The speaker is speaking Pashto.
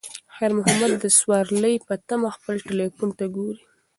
خیر محمد د سوارلۍ په تمه خپل تلیفون ته ګوري.